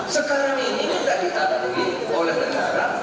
sekarang ini tidak ditangani oleh negara